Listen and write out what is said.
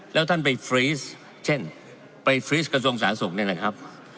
แล้วท่านไปฟรีสเช่นไปฟรีสกระทรวงสาธารณสุขนี่แหละครับ